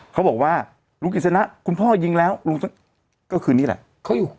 เขาบอกว่าลุงกิจสนะคุณพ่อยิงแล้วลุงก็คือนี่แหละเขาอยู่